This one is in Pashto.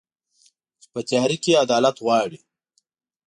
چي په تیاره کي عدالت غواړي